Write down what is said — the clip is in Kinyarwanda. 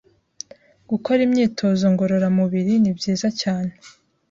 Gukora imyitozo ngororamubiri ni byiza cyane.”